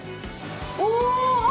お！